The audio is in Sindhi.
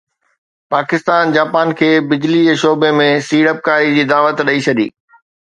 پاڪستان جاپان کي بجلي جي شعبي ۾ سيڙپڪاري جي دعوت ڏئي ڇڏي